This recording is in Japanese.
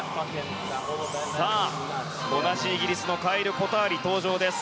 同じイギリスのカイル・コターリ登場です。